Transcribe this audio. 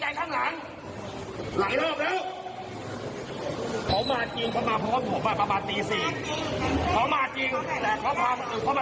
เขามาจริงแต่เขาพาอื่นเข้ามาใส่ในนี้เขามาจริงเขามาใกล้ใกล้กับผม